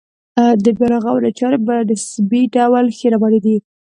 د بیا رغونې چارې په نسبي ډول ښې روانې دي.